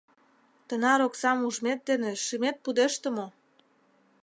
— Тынар оксам ужмет дене шӱмет пудеште мо?